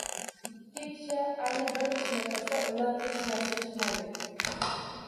Ikki kishi ayni bir ishni qilsa, undan hech narsa chiqmaydi.